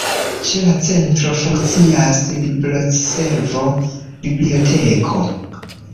Ĉe la Centro funkcias libroservo, biblioteko.